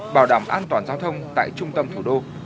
bảo đảm an toàn giao thông tại trung tâm thủ đô